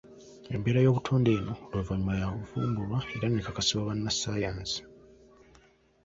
Embeera y'obutonde eno oluvannyuma yavumbulwa era n'ekakasibwa bannasayansi.